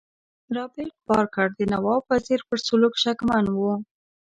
رابرټ بارکر د نواب وزیر پر سلوک شکمن وو.